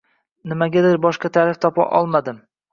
Nimagadir boshqa taʼrif topa olmadim.